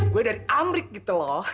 gue dari amrik gitu loh